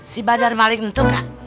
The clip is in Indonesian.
si badar maling itu kak